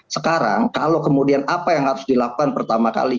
sekarang kalau kemudian apa yang harus dilakukan pertama kali